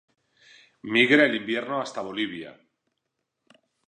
Migra en el invierno hasta Bolivia.